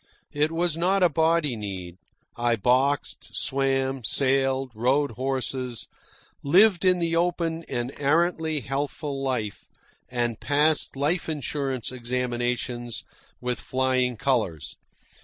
It was not a body need. I boxed, swam, sailed, rode horses, lived in the open an arrantly healthful life, and passed life insurance examinations with flying colours.